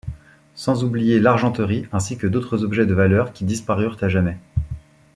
Sans oublier l'argenterie ainsi que d'autres objets de valeur qui disparurent à jamais.